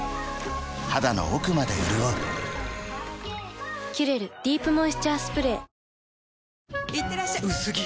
肌の奥まで潤う「キュレルディープモイスチャースプレー」いってらっしゃ薄着！